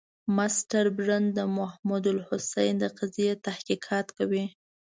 مسټر برن د محمودالحسن د قضیې تحقیقات کوي.